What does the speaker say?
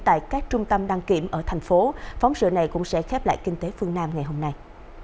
tại các trung tâm đăng kiểm ở thành phố phóng sự này cũng sẽ khép lại kinh tế phương nam ngày hôm nay